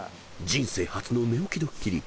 ［人生初の寝起きドッキリ。